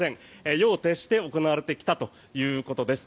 夜を徹して行われてきたということです。